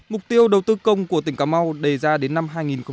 mục tiêu đầu tư công của tỉnh cà mau đề ra đến năm hai nghìn hai mươi